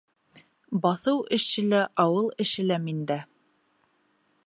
Баҫыу эше лә, ауыл эше лә миндә.